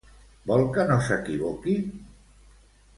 Vol que no s'equivoqui?